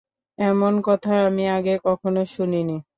এমন কথা আমি আগে কখনো শুনিনি।